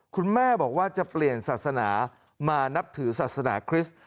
คุณแม่บอกว่าจะเปลี่ยนศาสนามานับถือศาสนาคริสต์